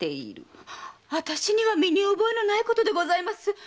私には身に覚えのないことです。